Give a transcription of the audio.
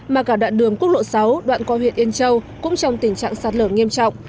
mà cả đoạn đường quốc lộ sáu đoạn qua huyện yên châu cũng trong tình trạng sạt lở nghiêm trọng